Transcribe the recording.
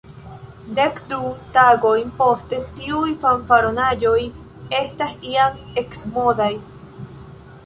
Dek-du tagojn poste, tiuj fanfaronaĵoj estas jam eksmodaj.